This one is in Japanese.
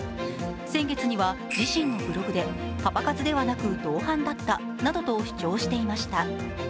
先月には自身のブログでパパ活ではなく同伴だったなどと主張していました。